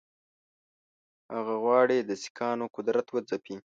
هغه غواړي د سیکهانو قدرت وځپي.